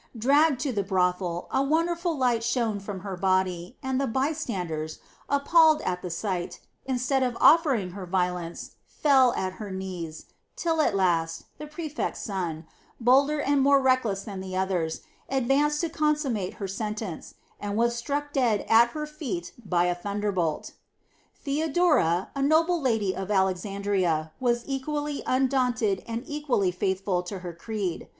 Dragged to the brothel, a wonderful light shone from her body, and the by standers, appalled at the sight, instead of offering her violence, fell at her knees, till, at last, the prefect's son, bolder and more reckless than the others, advanced to consummate her sentence, and was struck dead at her feet by a thunderbolt. Theodora, a noble lady of Alexandria, was equally undaunted and equally faithful to her creed.